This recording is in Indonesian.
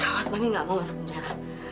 awet mami gak mau masuk penjara